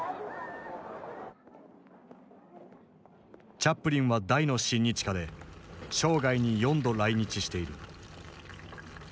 チャップリンは大の親日家で生涯に４度来日している。